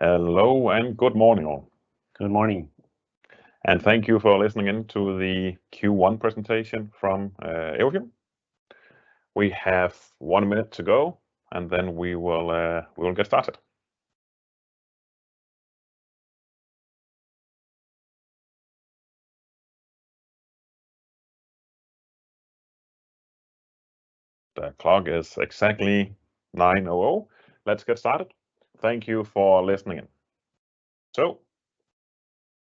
Hello, good morning, all. Good morning. Thank you for listening in to the Q1 presentation from Everfuel. We have one minute to go, and then we will get started. The clock is exactly 9:00 A.M. Let's get started. Thank you for listening in.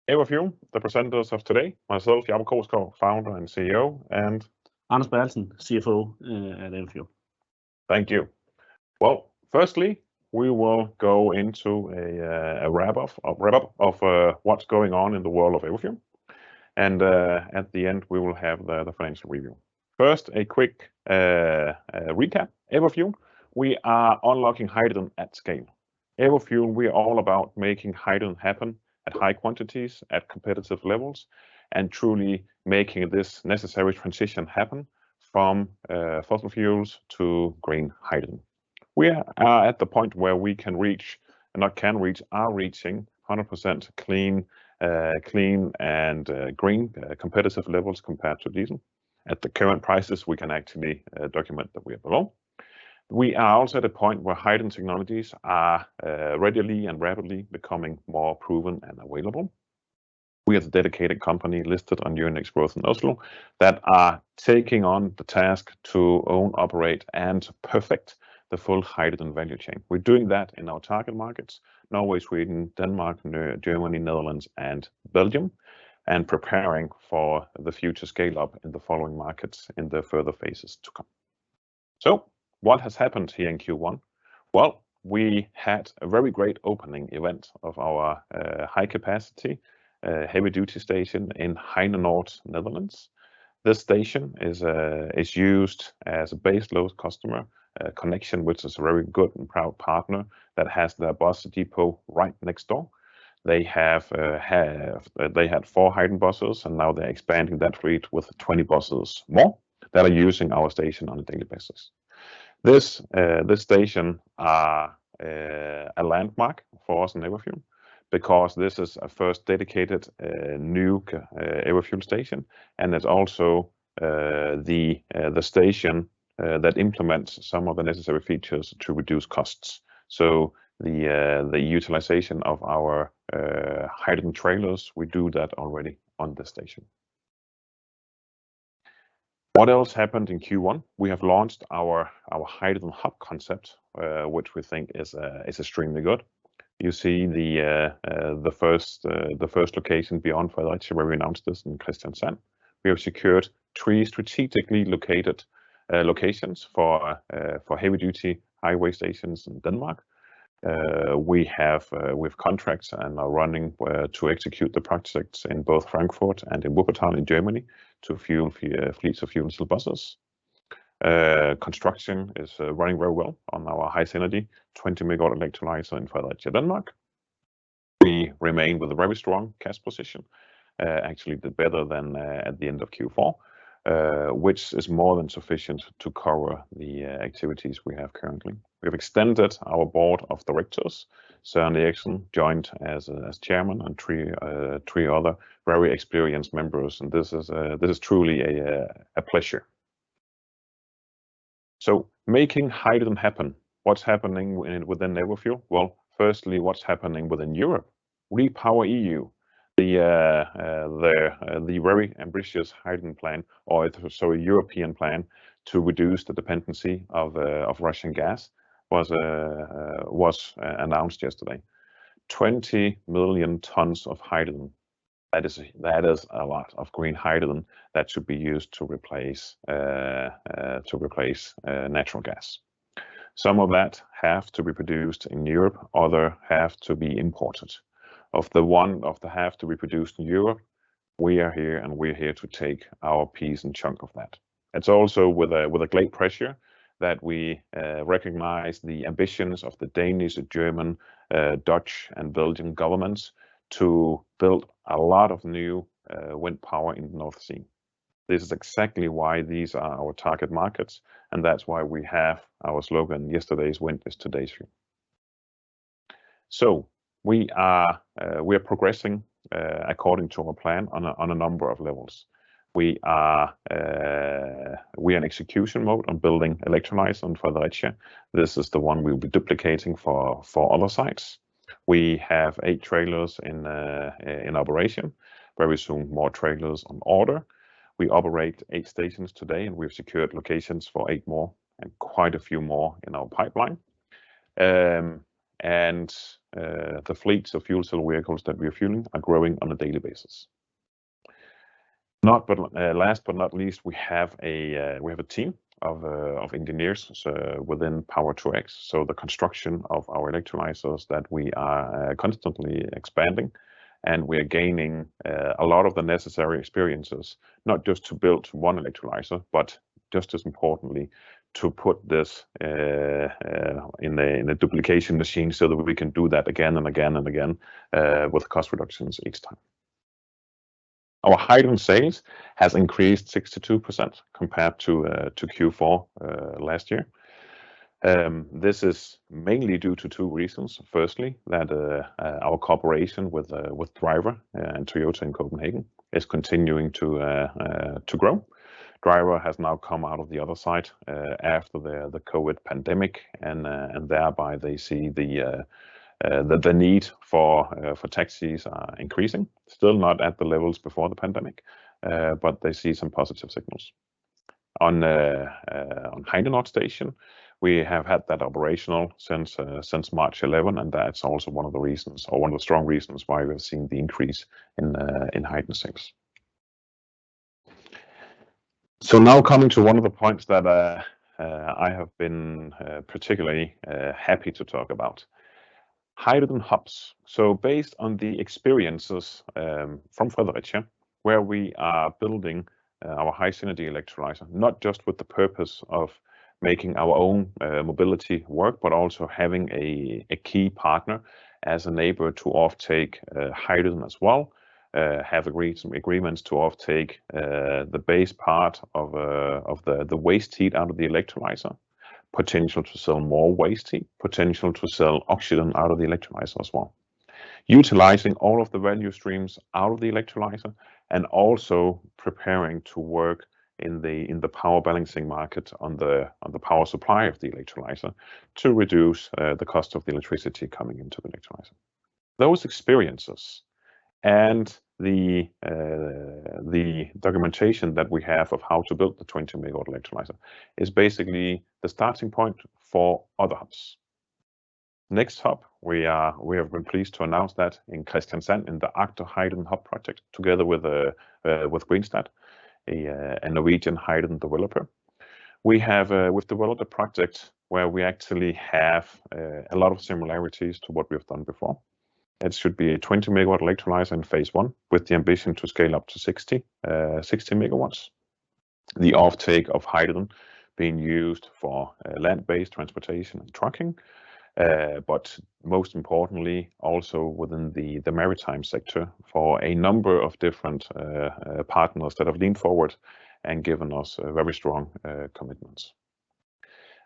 Everfuel, the presenters of today, myself, Jacob Krogsgaard, Founder and CEO, and... Anders Bertelsen, CFO, at Everfuel. Thank you. Well, firstly we will go into a wrap up of what's going on in the world of Everfuel, and at the end we will have the financial review. First, a quick recap. Everfuel, we are unlocking hydrogen at scale. Everfuel, we are all about making hydrogen happen at high quantities, at competitive levels, and truly making this necessary transition happen from fossil fuels to green hydrogen. We are at the point where we are reaching 100% clean and green competitive levels compared to diesel. At the current prices we can actually document that we are below. We are also at a point where hydrogen technologies are readily and rapidly becoming more proven and available. We are a dedicated company listed on Euronext Growth in Oslo that are taking on the task to own, operate, and perfect the full hydrogen value chain. We're doing that in our target markets, Norway, Sweden, Denmark, Germany, Netherlands, and Belgium, and preparing for the future scale-up in the following markets in the further phases to come. What has happened here in Q1? We had a very great opening event of our high capacity heavy duty station in Heinenoord, Netherlands. This station is used as a base load customer connection, which is a very good and proud partner that has their bus depot right next door. They had four hydrogen buses, and now they're expanding that fleet with 20 buses more that are using our station on a daily basis. This station a landmark for us in Everfuel because this is our first dedicated new Everfuel station, and it's also the station that implements some of the necessary features to reduce costs. The utilization of our hydrogen trailers, we do that already on this station. What else happened in Q1? We have launched our hydrogen hub concept, which we think is extremely good. You see the first location beyond Fredericia where we announced this in Kristiansand. We have secured three strategically located locations for heavy duty highway stations in Denmark. We have with contracts and are running to execute the projects in both Frankfurt and in Wuppertal in Germany to fuel fleets of fuel cell buses. Construction is running very well on our HySynergy 20 MW electrolyzer in Fredericia, Denmark. We remain with a very strong cash position, actually better than at the end of Q4, which is more than sufficient to cover the activities we have currently. We have extended our board of directors. Søren Eriksen joined as chairman, and three other very experienced members, and this is truly a pleasure. Making hydrogen happen. What's happening within Everfuel? Well, firstly, what's happening within Europe? REPowerEU, the very ambitious hydrogen plan, or so-called a European plan to reduce the dependency of Russian gas was announced yesterday. 20 million tons of hydrogen. That is a lot of green hydrogen that should be used to replace natural gas. Some of that have to be produced in Europe, other have to be imported. Of the have to be produced in Europe, we are here, and we're here to take our piece and chunk of that. It's also with a great pressure that we recognize the ambitions of the Danish, German, Dutch, and Belgian governments to build a lot of new wind power in the North Sea. This is exactly why these are our target markets, and that's why we have our slogan, "Yesterday's wind is today's fuel." We are progressing according to our plan on a number of levels. We are in execution mode on building electrolyzers in Fredericia. This is the one we'll be duplicating for other sites. We have eight trailers in operation. Very soon, more trailers on order. We operate eight stations today, and we have secured locations for eight more, and quite a few more in our pipeline. The fleets of fuel cell vehicles that we are fueling are growing on a daily basis. Last but not least, we have a team of engineers within Power-to-X, so the construction of our electrolyzers that we are constantly expanding, and we are gaining a lot of the necessary experiences, not just to build one electrolyzer, but just as importantly, to put this in a duplication machine so that we can do that again and again and again with cost reductions each time. Our hydrogen sales has increased 62% compared to Q4 last year. This is mainly due to two reasons. Firstly, that our cooperation with DRIVR and Toyota in Copenhagen is continuing to grow. DRIVR has now come out of the other side after the COVID pandemic, and thereby they see the need for taxis are increasing. Still not at the levels before the pandemic, but they see some positive signals. On Heinenoord station, we have had that operational since March 11, and that's also one of the reasons or one of the strong reasons why we've seen the increase in hydrogen sales. Now coming to one of the points that I have been particularly happy to talk about, hydrogen hubs. Based on the experiences from Fredericia, where we are building our HySynergy electrolyzer, not just with the purpose of making our own mobility work, but also having a key partner as a neighbor to offtake hydrogen as well, have agreed some agreements to offtake the base part of the waste heat out of the electrolyzer. Potential to sell more waste heat. Potential to sell oxygen out of the electrolyzer as well. Utilizing all of the value streams out of the electrolyzer and also preparing to work in the power balancing market on the power supply of the electrolyzer to reduce the cost of the electricity coming into the electrolyzer. Those experiences and the documentation that we have of how to build the 20 MW electrolyzer is basically the starting point for other hubs. Next hub, we have been pleased to announce that in Kristiansand in the Agder Hydrogen Hub project together with Greenstat, a Norwegian hydrogen developer. We have developed a project where we actually have a lot of similarities to what we have done before. It should be a 20 MW electrolyzer in phase one with the ambition to scale up to 60 MW. The offtake of hydrogen being used for land-based transportation and trucking, but most importantly, also within the maritime sector for a number of different partners that have leaned forward and given us very strong commitments.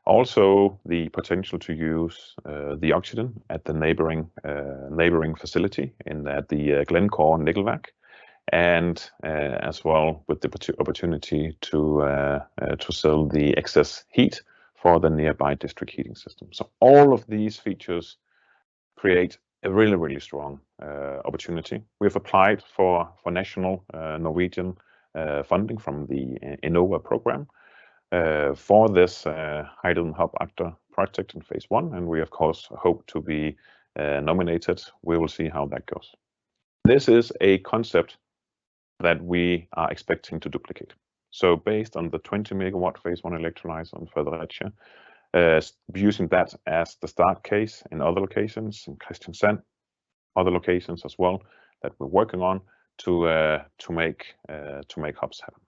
Also, the potential to use the oxygen at the neighboring facility in the Glencore Nikkelverk, and as well with the opportunity to sell the excess heat for the nearby district heating system. All of these features create a really strong opportunity. We have applied for national Norwegian funding from the Enova program for this Agder Hydrogen Hub project in phase one, and we of course hope to be nominated. We will see how that goes. This is a concept that we are expecting to duplicate. Based on the 20 MW phase one electrolyzer in Fredericia, using that as the start case in other locations, in Kristiansand, other locations as well that we're working on to make hubs happen.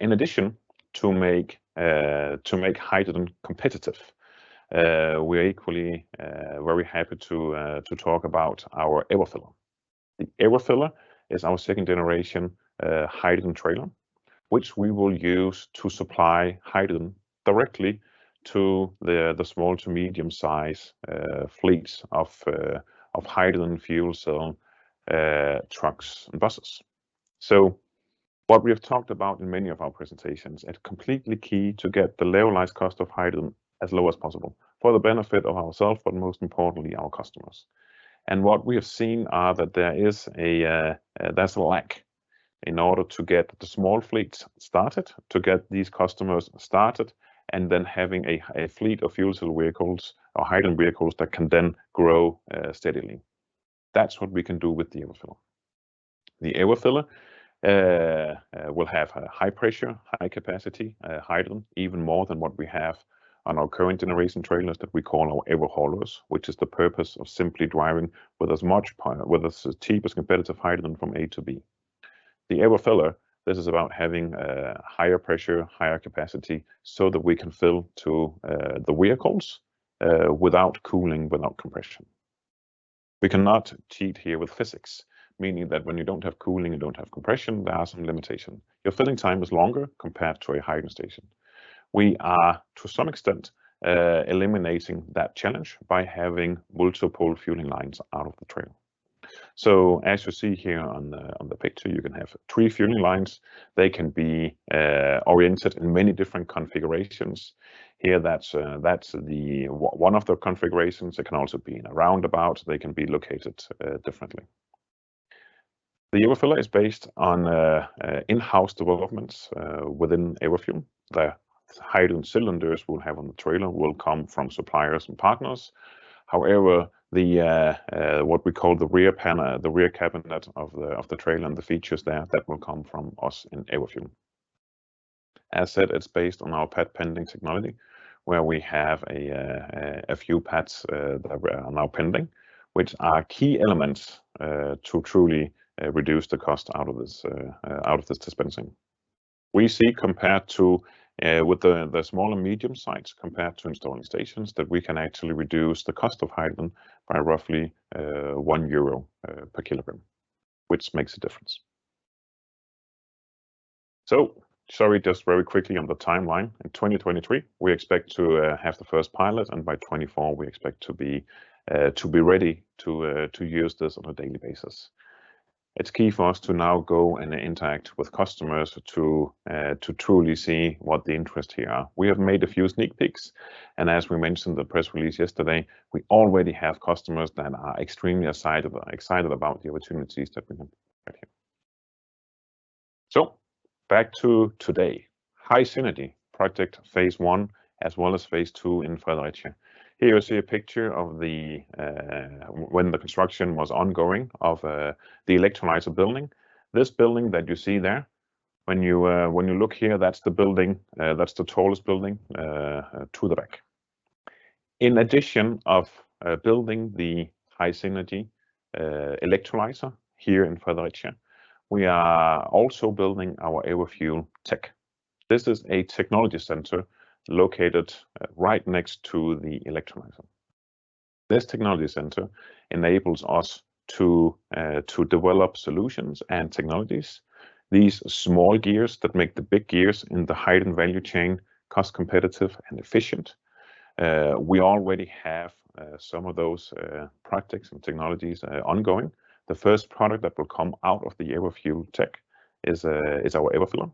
In addition to make hydrogen competitive, we're equally very happy to talk about our Everfiller. The Everfiller is our second generation hydrogen trailer, which we will use to supply hydrogen directly to the small to medium size fleets of hydrogen fuel cell trucks and buses. What we have talked about in many of our presentations, it's completely key to get the levelized cost of hydrogen as low as possible for the benefit of ourselves, but most importantly, our customers. What we have seen are that there's a lack in order to get the small fleets started, to get these customers started, and then having a fleet of fuel cell vehicles or hydrogen vehicles that can then grow steadily. That's what we can do with the Everfiller. The Everfiller will have a high pressure, high capacity hydrogen, even more than what we have on our current generation trailers that we call our Everhaulers, which is the purpose of simply driving with as cheap as competitive hydrogen from A-B. The Everfiller, this is about having higher pressure, higher capacity so that we can fill the vehicles without cooling, without compression. We cannot cheat here with physics, meaning that when you don't have cooling, you don't have compression, there are some limitations. Your filling time is longer compared to a hydrogen station. We are, to some extent, eliminating that challenge by having multiple fueling lines out of the trailer. As you see here on the picture, you can have three fueling lines. They can be oriented in many different configurations. Here, that's one of the configurations. They can also be in a roundabout. They can be located differently. The Everfiller is based on in-house developments within Everfuel. The hydrogen cylinders we'll have on the trailer will come from suppliers and partners. However, what we call the rear panel, the rear cabinet of the trailer and the features there, that will come from us in Everfuel. As said, it's based on our patent pending technology, where we have a few patents that are now pending, which are key elements to truly reduce the cost out of this dispensing. We see compared to with the small and medium sites compared to installing stations that we can actually reduce the cost of hydrogen by roughly 1 euro per kilogram, which makes a difference. Sorry, just very quickly on the timeline. In 2023, we expect to have the first pilot, and by 2024 we expect to be ready to use this on a daily basis. It's key for us to now go and interact with customers to truly see what the interest here are. We have made a few sneak peeks, and as we mentioned the press release yesterday, we already have customers that are extremely excited about the opportunities that we have right here. Back to today, HySynergy project phase one as well as phase two in Fredericia. Here you see a picture of when the construction was ongoing of the electrolyzer building. This building that you see there when you look here, that's the building, that's the tallest building to the back. In addition to building the HySynergy electrolyzer here in Fredericia, we are also building our Everfuel Tech. This is a technology center located right next to the electrolyzer. This technology center enables us to develop solutions and technologies, these small gears that make the big gears in the hydrogen value chain cost competitive and efficient. We already have some of those projects and technologies ongoing. The first product that will come out of the Everfuel Tech is our Everfiller.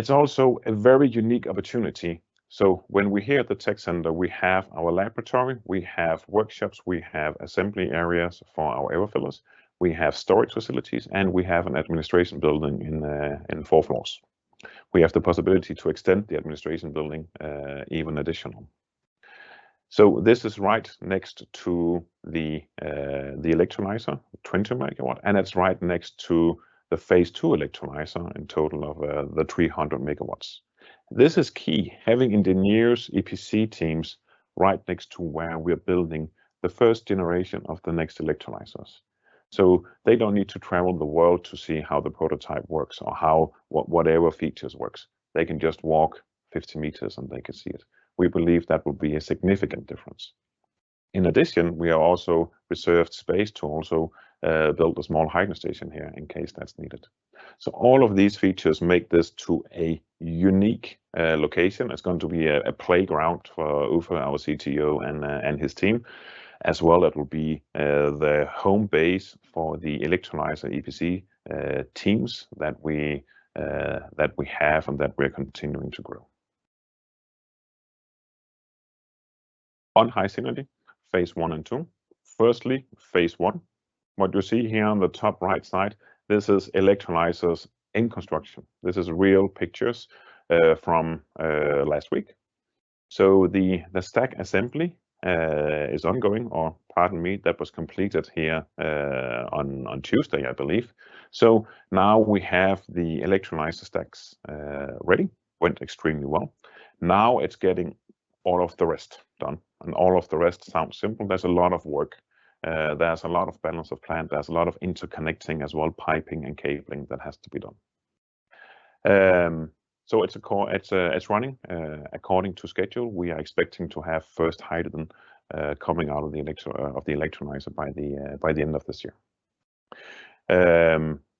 It's also a very unique opportunity. When we're here at the tech center, we have our laboratory, we have workshops, we have assembly areas for our Everfillers, we have storage facilities, and we have an administration building in four floors. We have the possibility to extend the administration building even additional. This is right next to the 20 MW electrolyzer. It's right next to the phase two electrolyzer in total of the 300 MW. This is key, having engineers, EPC teams right next to where we are building the first generation of the next electrolyzers, so they don't need to travel the world to see how the prototype works or how whatever features work. They can just walk 50 meters, and they can see it. We believe that will be a significant difference. In addition, we have reserved space to build a small hydrogen station here in case that's needed. All of these features make this a unique location. It's going to be a playground for Uffe, our CTO, and his team as well. It will be the home base for the electrolyzer EPC teams that we have and that we are continuing to grow. On HySynergy phase one and two. Firstly, phase one. What you see here on the top right side, this is electrolyzers in construction. This is real pictures from last week. The stack assembly was completed here on Tuesday I believe. Now we have the electrolyzer stacks ready. Went extremely well. Now it's getting all of the rest done. All of the rest sounds simple. There's a lot of work. There's a lot of balance of plant. There's a lot of interconnecting as well, piping and cabling that has to be done. It's running according to schedule. We are expecting to have first hydrogen coming out of the electrolyzer by the end of this year.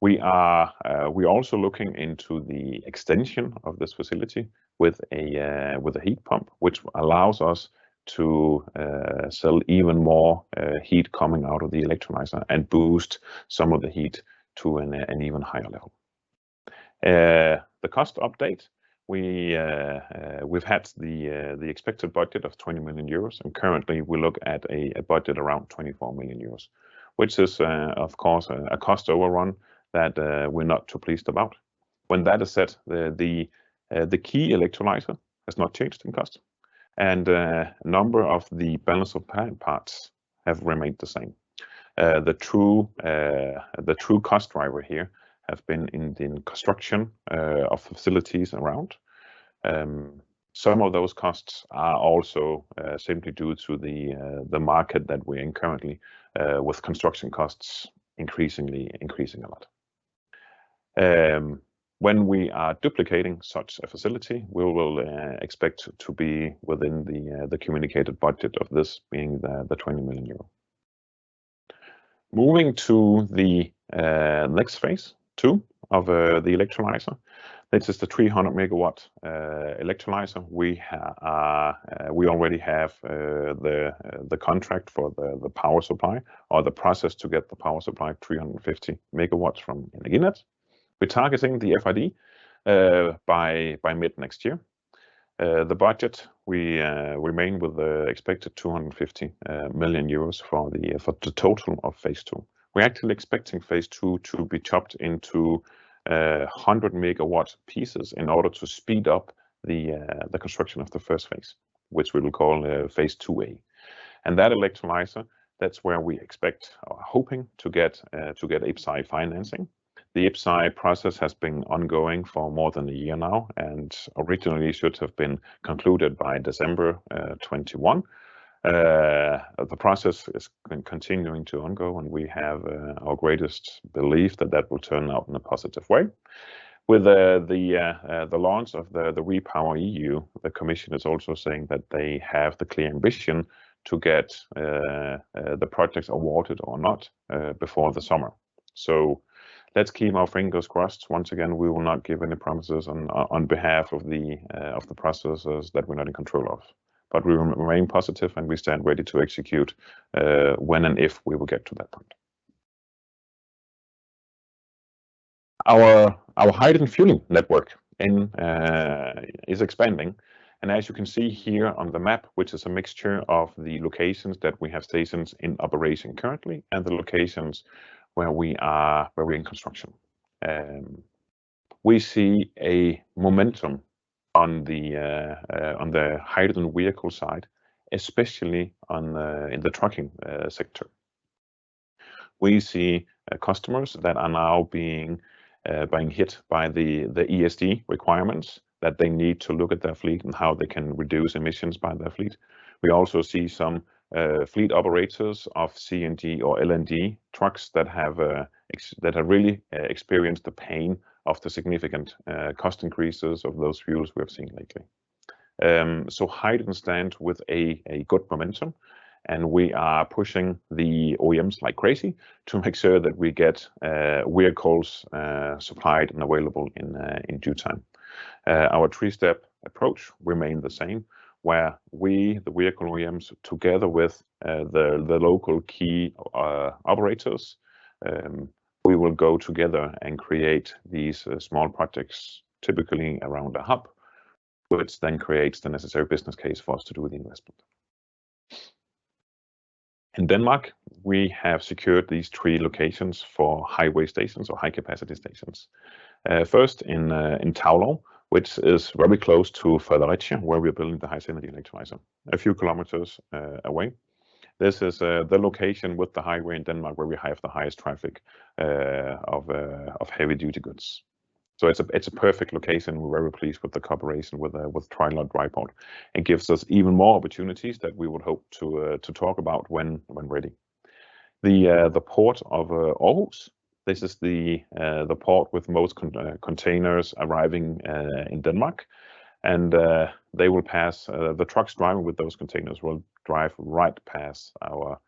We're also looking into the extension of this facility with a heat pump, which allows us to sell even more heat coming out of the electrolyzer and boost some of the heat to an even higher level. The cost update, we've had the expected budget of 20 million euros, and currently we look at a budget around 24 million euros, which is, of course, a cost overrun that we're not too pleased about. When that is set, the key electrolyzer has not changed in cost. A number of the balance of plant parts have remained the same. The true cost driver here have been in the construction of facilities around. Some of those costs are also simply due to the market that we're in currently with construction costs increasing a lot. When we are duplicating such a facility, we will expect to be within the communicated budget of this being 20 million euro. Moving to the next phase two of the electrolyzer. This is the 300-MW electrolyzer. We already have the contract for the power supply or the process to get the power supply 350 MW from Energinet. We're targeting the FID by mid next year. The budget, we remain with the expected 250 million euros for the total of phase two. We're actually expecting phase two to be chopped into 100-MW pieces in order to speed up the construction of the first phase, which we will call phase two A. That electrolyzer, that's where we expect or are hoping to get IPCEI financing. The IPCEI process has been ongoing for more than a year now and originally should have been concluded by December 2021. The process is continuing and ongoing, and we have our greatest belief that that will turn out in a positive way. With the launch of the REPowerEU, the commission is also saying that they have the clear ambition to get the projects awarded or not before the summer. Let's keep our fingers crossed. Once again, we will not give any promises on the processes that we're not in control of. We remain positive, and we stand ready to execute when and if we will get to that point. Our hydrogen fueling network is expanding, and as you can see here on the map, which is a mixture of the locations that we have stations in operation currently and the locations where we are in construction. We see a momentum on the hydrogen vehicle side, especially in the trucking sector. We see customers that are now being hit by the ESD requirements that they need to look at their fleet and how they can reduce emissions by their fleet. We also see some fleet operators of CNG or LNG trucks that have really experienced the pain of the significant cost increases of those fuels we have seen lately. Hydrogen stand with a good momentum, and we are pushing the OEMs like crazy to make sure that we get vehicles supplied and available in due time. Our three-step approach remain the same, where we, the vehicle OEMs, together with the local key operators, we will go together and create these small projects, typically around a hub, which then creates the necessary business case for us to do the investment. In Denmark, we have secured these three locations for highway stations or high-capacity stations. First in Taulov, which is very close to Fredericia, where we're building the HySynergy electrolyzer a few kilometers away. This is the location with the highway in Denmark where we have the highest traffic of heavy-duty goods. It's a perfect location. We're very pleased with the cooperation with Taulov Dry Port. It gives us even more opportunities that we would hope to talk about when ready. The Port of Aarhus, this is the port with most containers arriving in Denmark, and they will pass, the trucks driving with those containers will drive right past our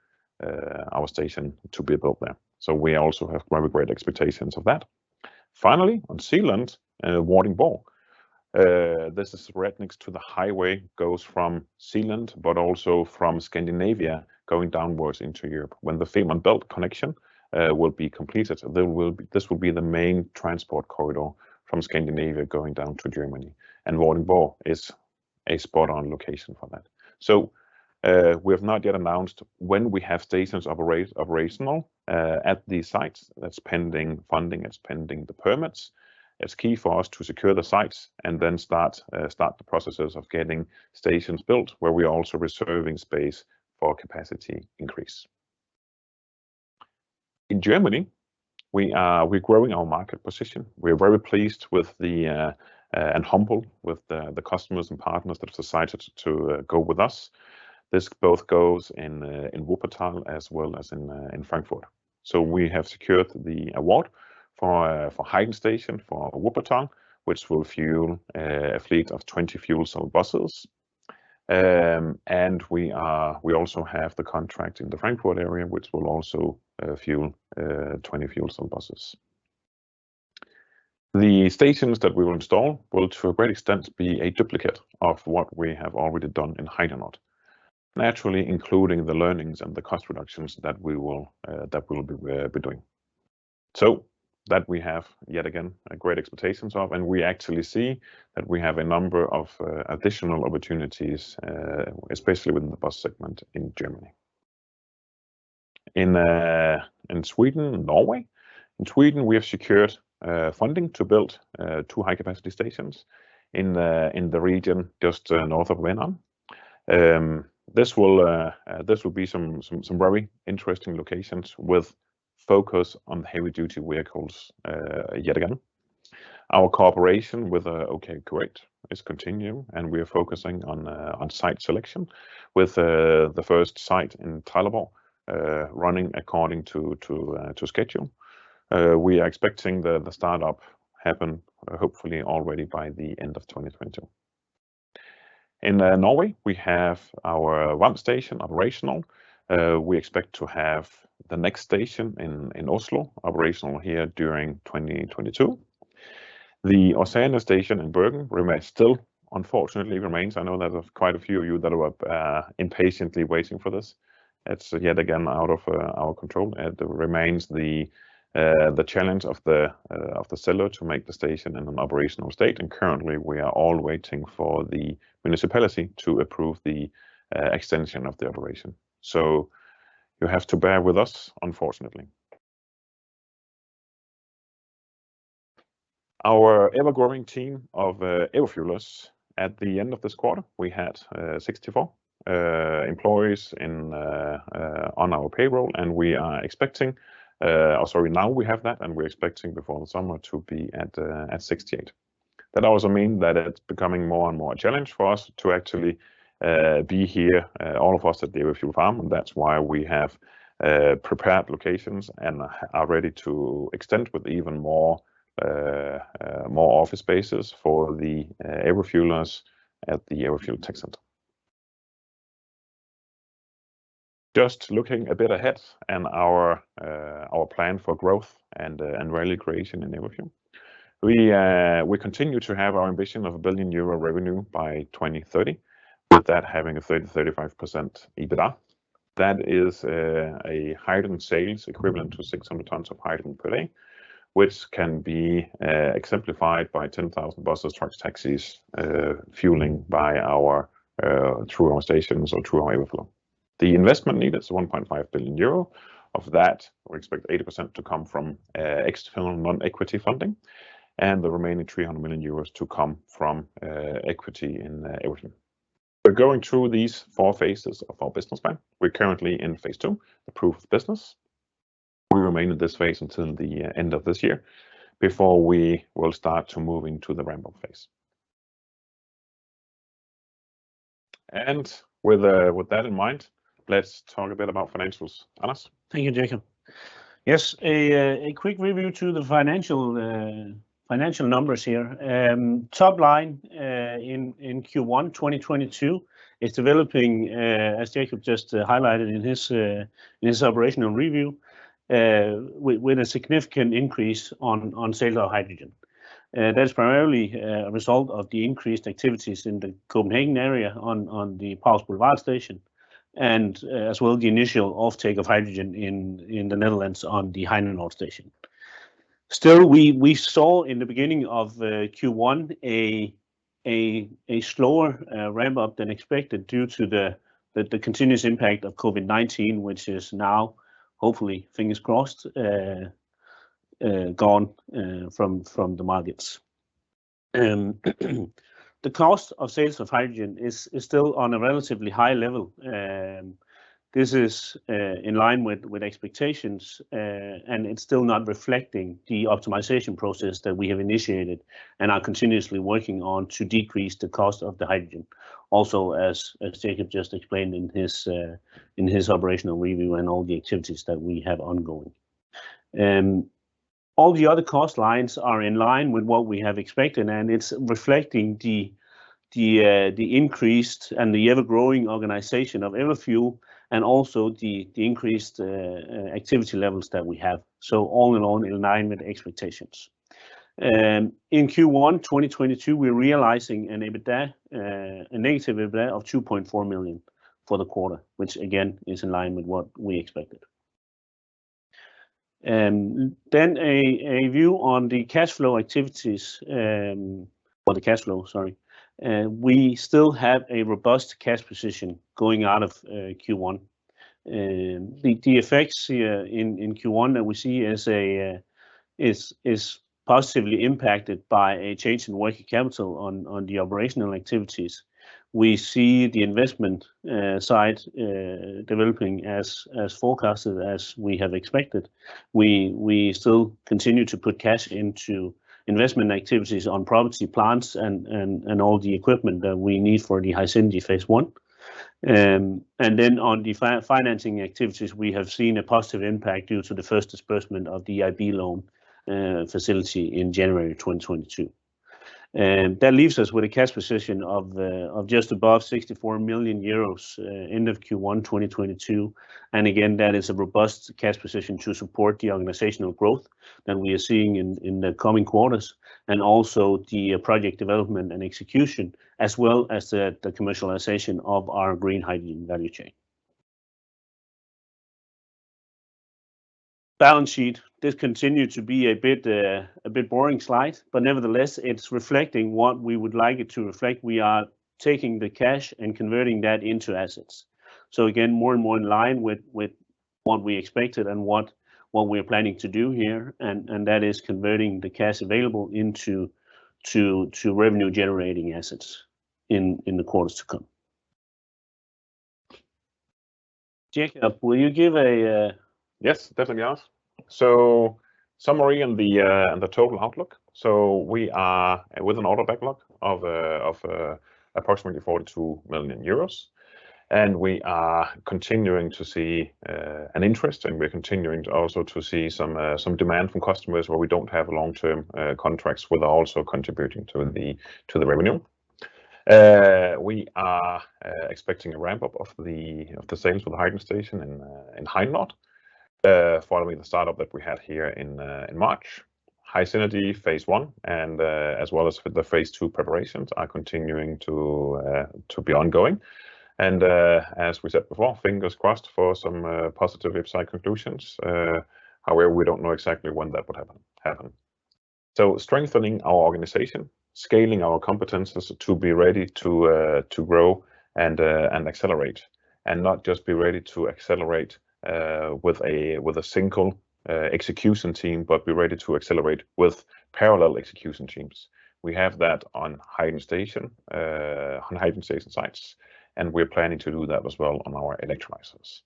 station to be built there. So we also have very great expectations of that. Finally, on Zealand, Vordingborg. This is right next to the highway, goes from Zealand, but also from Scandinavia, going downwards into Europe. When the Fehmarn Belt connection will be completed, this will be the main transport corridor from Scandinavia going down to Germany, and Vordingborg is a spot-on location for that. We have not yet announced when we have stations operational at these sites. That's pending funding. It's pending the permits. It's key for us to secure the sites and then start the processes of getting stations built, where we are also reserving space for capacity increase. In Germany, we're growing our market position. We're very pleased and humble with the customers and partners that have decided to go with us. This goes both in Wuppertal as well as in Frankfurt. We have secured the award for the hydrogen station for Wuppertal, which will fuel a fleet of 20 fuel cell buses. We also have the contract in the Frankfurt area, which will also fuel 20 fuel cell buses. The stations that we will install will, to a great extent, be a duplicate of what we have already done in Heinenoord, naturally including the learnings and the cost reductions that we'll be doing. We have yet again great expectations of, and we actually see that we have a number of additional opportunities, especially within the bus segment in Germany. In Sweden and Norway. In Sweden, we have secured funding to build two high-capacity stations in the region just north of Vänern. This will be some very interesting locations with focus on heavy-duty vehicles yet again. Our cooperation with OKQ8 is continuing, and we are focusing on site selection with the first site in Trelleborg running according to schedule. We are expecting the startup happen hopefully already by the end of 2020. In Norway, we have our one station operational. We expect to have the next station in Oslo operational here during 2022. The Åsane station in Bergen remains still, unfortunately. I know there's quite a few of you that are impatiently waiting for this. It's yet again out of our control. It remains the challenge of the seller to make the station in an operational state, and currently we are all waiting for the municipality to approve the extension of the operation. You have to bear with us, unfortunately. Our ever-growing team of H2 fuellers, at the end of this quarter, we had 64 employees on our payroll, and we are expecting or sorry, now we have that, and we're expecting before the summer to be at 68. That also mean that it's becoming more and more a challenge for us to actually be here all of us at the Everfuel farm. That's why we have prepared locations and are ready to extend with even more office spaces for the Everfuelers at the Everfuel Tech Center. Just looking a bit ahead and our plan for growth and value creation in Everfuel. We continue to have our ambition of 1 billion euro revenue by 2030, with that having a 30%-35% EBITDA. That is a hydrogen sales equivalent to 600 tons of hydrogen per day, which can be exemplified by 10,000 buses, trucks, taxis fueling through our stations or through our Everfuel. The investment need is 1.5 billion euro. Of that, we expect 80% to come from external non-equity funding, and the remaining 300 million euros to come from equity in Everfuel. We're going through these four phases of our business plan. We're currently in phase two, the proof of business. We remain in this phase until the end of this year, before we will start to move into the ramp-up phase. With that in mind, let's talk a bit about financials. Anders? Thank you, Jacob. Yes, a quick review of the financial numbers here. Top line in Q1 2022 is developing as Jacob just highlighted in his operational review with a significant increase in sales of hydrogen. That's primarily a result of the increased activities in the Copenhagen area on the Prags Boulevard station, and as well as the initial offtake of hydrogen in the Netherlands on the Heinenoord station. Still, we saw in the beginning of Q1 a slower ramp-up than uexpected due to the continuous impact of COVID-19, which is now, hopefully, fingers crossed, gone from the markets. The cost of sales of hydrogen is still on a relatively high level. This is in line with expectations, and it's still not reflecting the optimization process that we have initiated and are continuously working on to decrease the cost of the hydrogen. Also, Jacob just explained in his operational review and all the activities that we have ongoing. All the other cost lines are in line with what we have expected, and it's reflecting the increased and the ever-growing organization of Everfuel and also the increased activity levels that we have. All in all, in line with expectations. In Q1 2022, we're realizing a negative EBITDA of 2.4 million for the quarter, which again, is in line with what we expected. A view on the cash flow activities, or the cash flow, sorry. We still have a robust cash position going out of Q1. The effects here in Q1 that we see is positively impacted by a change in working capital on the operational activities. We see the investment side developing as forecasted, as we have expected. We still continue to put cash into investment activities on property, plants, and all the equipment that we need for the HySynergy phase one. On the financing activities, we have seen a positive impact due to the first disbursement of the EIB loan facility in January 2022. That leaves us with a cash position of just above 64 million euros end of Q1 2022. Again, that is a robust cash position to support the organizational growth that we are seeing in the coming quarters, and also the project development and execution, as well as the commercialization of our green hydrogen value chain. Balance sheet. This continues to be a bit boring slide, but nevertheless, it's reflecting what we would like it to reflect. We are taking the cash and converting that into assets. Again, more and more in line with what we expected and what we are planning to do here, and that is converting the cash available into revenue generating assets in the quarters to come. Jacob, will you give a Yes, definitely, Anders. Summary on the total outlook. We are with an order backlog of approximately 42 million euros, and we are continuing to see an interest, and we're continuing to also see some demand from customers where we don't have long-term contracts will also contributing to the revenue. We are expecting a ramp-up of the sales for the hydrogen station in Heinenoord following the startup that we had here in March. HySynergy phase one and as well as for the phase two preparations are continuing to be ongoing. As we said before, fingers crossed for some positive IPCEI conclusions. However, we don't know exactly when that would happen. Strengthening our organization, scaling our competencies to be ready to grow and accelerate, and not just be ready to accelerate with a single execution team, but be ready to accelerate with parallel execution teams. We have that on hydrogen station sites, and we're planning to do that as well on our electrolyzers.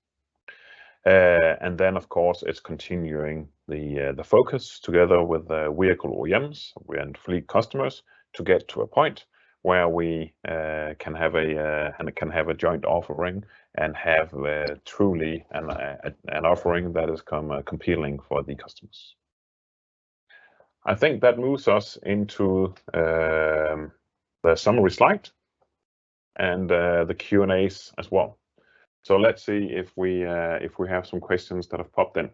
It's continuing the focus together with the vehicle OEMs and fleet customers to get to a point where we can have a joint offering and have truly an offering that has become compelling for the customers. I think that moves us into the summary slide and the Q&As as well. Let's see if we have some questions that have popped in.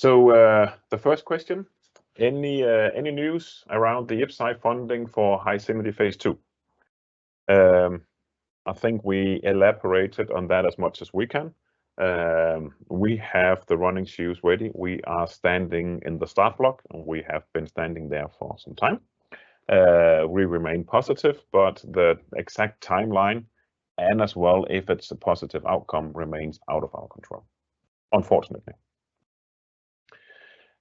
The first question, any news around the IPCEI funding for HySynergy Phase 2? I think we elaborated on that as much as we can. We have the running shoes ready. We are standing in the starting block, and we have been standing there for some time. We remain positive, but the exact timeline, and as well if it's a positive outcome, remains out of our control, unfortunately.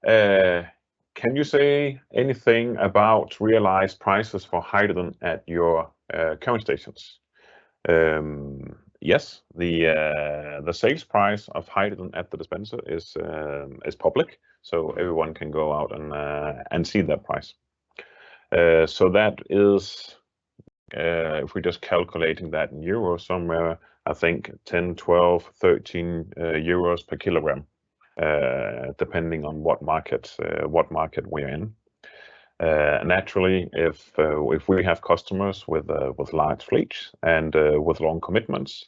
Can you say anything about realized prices for hydrogen at your current stations? Yes. The sales price of hydrogen at the dispenser is public, so everyone can go out and see that price. That is, if we're just calculating that in EUR, somewhere I think 10, 12, 13 euros per kilogram, depending on what market we're in. Naturally if we have customers with large fleets and with long commitments,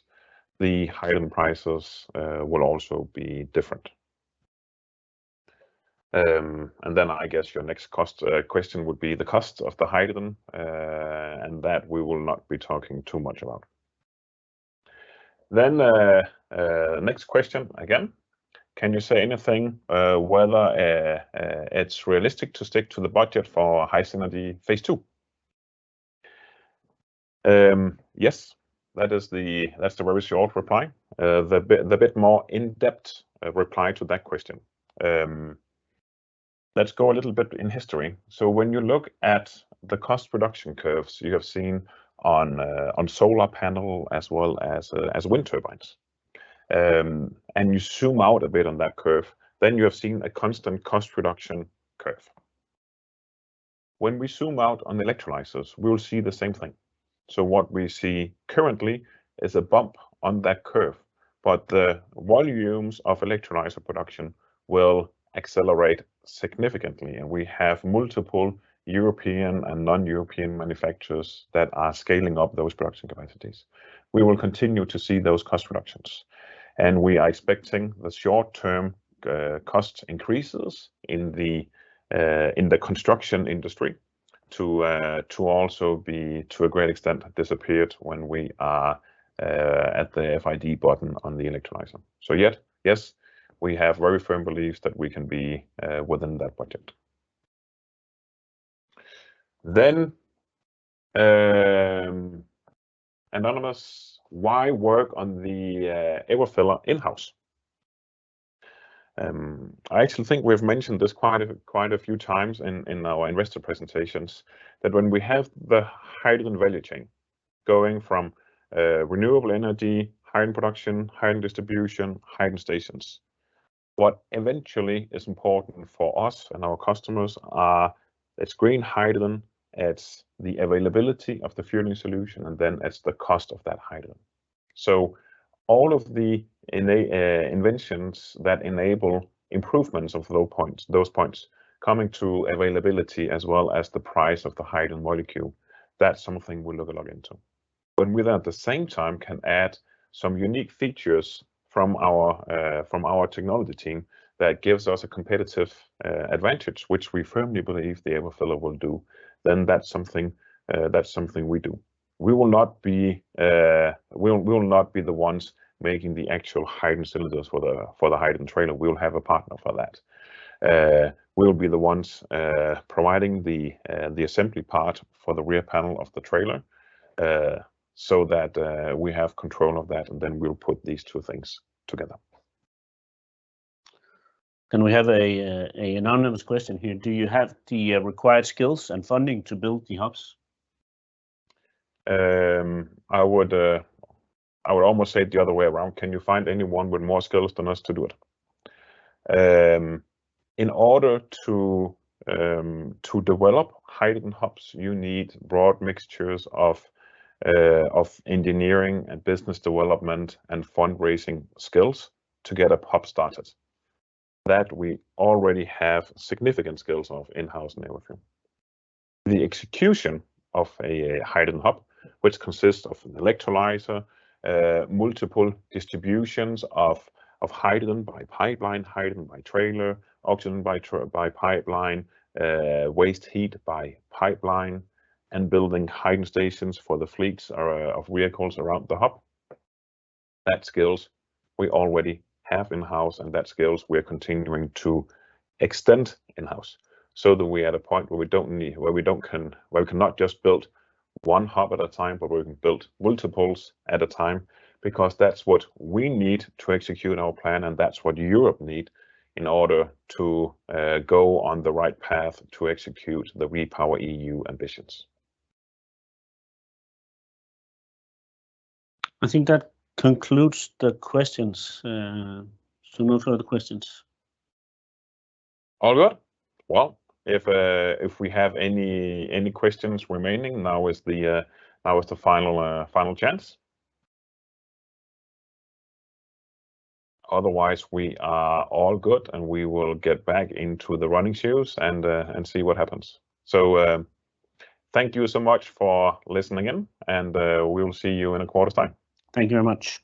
the hydrogen prices will also be different. I guess your next cost question would be the cost of the hydrogen, and that we will not be talking too much about. Next question again, can you say anything whether it's realistic to stick to the budget for HySynergy Phase 2? Yes. That's the very short reply. The bit more in-depth reply to that question, let's go a little bit in history. When you look at the cost production curves you have seen on solar panel as well as on wind turbines, and you zoom out a bit on that curve, then you have seen a constant cost reduction curve. When we zoom out on electrolyzers, we will see the same thing. What we see currently is a bump on that curve, but the volumes of electrolyzer production will accelerate significantly, and we have multiple European and non-European manufacturers that are scaling up those production capacities. We will continue to see those cost reductions, and we are expecting the short-term cost increases in the construction industry to also be, to a great extent, disappeared when we are at the FID button on the electrolyzer. Yes, we have very firm beliefs that we can be within that budget. Anonymous, why work on the Everfiller in-house? I actually think we have mentioned this quite a few times in our investor presentations, that when we have the hydrogen value chain going from renewable energy, hydrogen production, hydrogen distribution, hydrogen stations, what eventually is important for us and our customers are, it's green hydrogen, it's the availability of the fueling solution, and then it's the cost of that hydrogen. All of the inventions that enable improvements of low points, those points, coming to availability as well as the price of the hydrogen molecule, that's something we'll look a lot into. When we at the same time can add some unique features from our technology team that gives us a competitive advantage, which we firmly believe the Everfiller will do, then that's something we do. We will not be the ones making the actual hydrogen cylinders for the hydrogen trailer. We'll have a partner for that. We'll be the ones providing the assembly part for the rear panel of the trailer, so that we have control of that, and then we'll put these two things together. We have an anonymous question here. Do you have the required skills and funding to build the hubs? I would almost say it the other way around. Can you find anyone with more skills than us to do it? In order to develop hydrogen hubs, you need broad mixtures of engineering and business development and fundraising skills to get a hub started. That we already have significant skills of in-house in Everfuel. The execution of a hydrogen hub, which consists of an electrolyzer, multiple distributions of hydrogen by pipeline, hydrogen by trailer, oxygen by pipeline, waste heat by pipeline, and building hydrogen stations for the fleets of vehicles around the hub, those skills we already have in-house, and those skills we are continuing to extend in-house so that we are at a point where we can not just build one hub at a time, but we can build multiples at a time because that's what we need to execute our plan, and that's what Europe need in order to go on the right path to execute the REPowerEU ambitions. I think that concludes the questions, so no further questions. All good. Well, if we have any questions remaining, now is the final chance. Otherwise, we are all good, and we will get back into the running shoes and see what happens. Thank you so much for listening in, and we will see you in a quarter's time. Thank you very much.